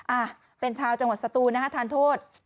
อ่ะเป็นชาวจังหวัดสตูนนะคะทานโทษ